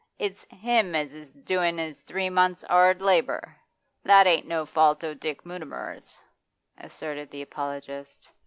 It's him as is doin' his three months' 'ard labour.' 'That ain't no fault o' Dick Mutimer's,' asserted the apologist.